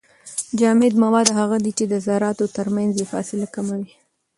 جامد مواد هغه دي چي د زراتو ترمنځ يې فاصله کمه وي.